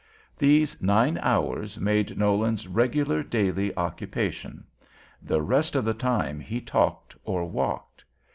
These nine hours made Nolan's regular daily "occupation." The rest of the time he talked or walked.